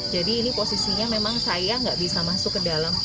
jadi ini posisinya memang saya nggak bisa masuk ke dalam